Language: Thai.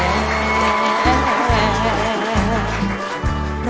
โอเค